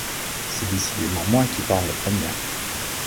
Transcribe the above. C’est décidément moi qui pars la première.